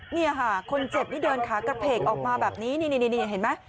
นี่ค่ะคนเจ็บนี่เดินขากระเพกออกมาแบบนี้นี่เห็นไหม